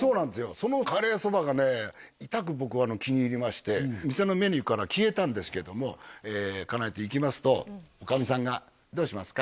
そのカレー蕎麦がねいたく僕は気に入りまして店のメニューから消えたんですけども家内と行きますと女将さんがどうしますか？